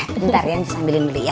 bentar ya ancus ambilin beli ya